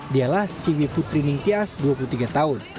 dialah siwi putri ningtyas dua puluh tiga tahun